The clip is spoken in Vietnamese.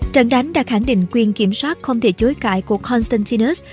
trận đánh đã khẳng định quyền kiểm soát không thể chối cãi của constantinus